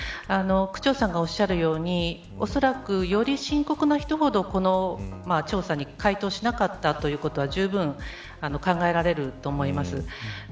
区長さんがおっしゃるようにおそらく、より深刻な人ほどこの調査に回答しなかったということはじゅうぶん考えられると思います。